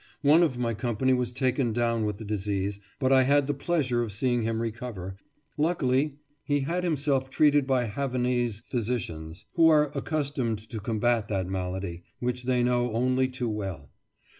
One of my company was taken down with the disease, but I had the pleasure of seeing him recover, Luckily he had himself treated by Havanese physicians, who are accustomed to combat that malady, which they know only too well.